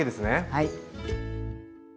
はい。